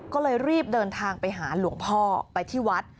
ก็เลยรีบเดินทางไปหาหลวงพ่อไปที่วัด